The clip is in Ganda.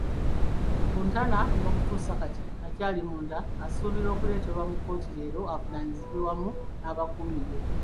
Rukutana n'okutuusa kati akyali munda asuubirwa okuleetebwa mu kkooti leero avunaanibwe wamu n'abakuumi be.